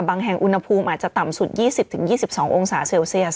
แห่งอุณหภูมิอาจจะต่ำสุด๒๐๒๒องศาเซลเซียส